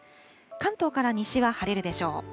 関東から西は晴れるでしょう。